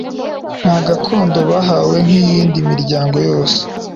nta gakondo bahawe nk'iyindi miryango yose.